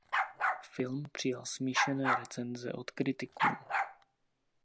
Film přijal smíšené recenze od kritiků.